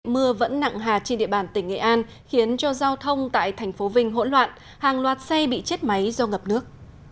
mưa vẫn nặng hạt trên địa bàn tỉnh nghệ an khiến cho giao thông tại thành phố vinh hỗn loạn hàng loạt xe bị chết máy do ngập nước